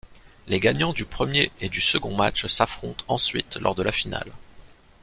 Les gagnants du premier et du second match s'affrontent ensuite lors de la finale.